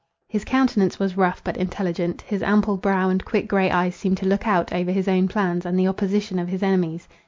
His countenance was rough but intelligent—his ample brow and quick grey eyes seemed to look out, over his own plans, and the opposition of his enemies.